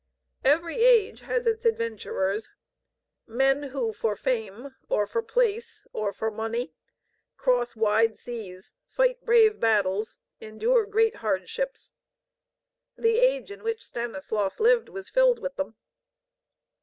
Every age has its adventurers: men who for fame, or for place, or for money, cross wide seas, fight brave battles, endure great hardships. The age in which Stanislaus lived was filled with them.